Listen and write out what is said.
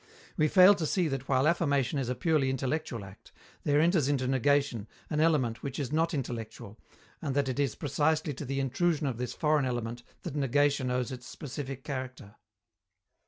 We fail to see that while affirmation is a purely intellectual act, there enters into negation an element which is not intellectual, and that it is precisely to the intrusion of this foreign element that negation owes its specific character.